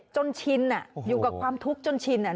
จนชินอยู่กับความทุกข์จนชิน